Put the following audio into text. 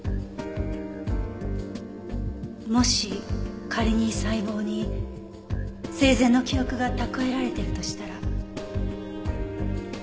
もし仮に細胞に生前の記憶が蓄えられているとしたら。